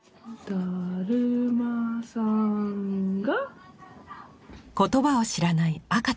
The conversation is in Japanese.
「だるまさんが」。